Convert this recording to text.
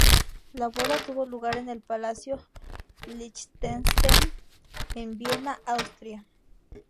La boda tuvo lugar en el Palacio Liechtenstein en Viena, Austria.